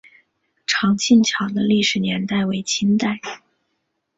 长庆桥的历史年代为清代。